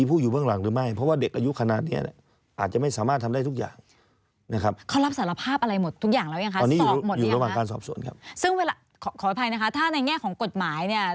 ซึ่งขออภัยนะคะถ้าในแง่ของกฎหมายเนี่ย